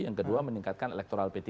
yang kedua meningkatkan elektoral p tiga